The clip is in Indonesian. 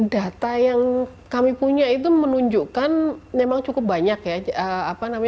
data yang kami punya itu menunjukkan memang cukup banyak ya